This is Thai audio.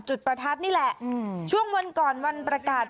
ประทัดนี่แหละช่วงวันก่อนวันประกาศ